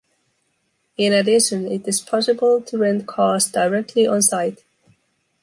In addition, it is possible to rent cars directly on site.